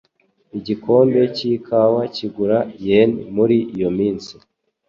Igikombe cyikawa kigura yen muri iyo minsi.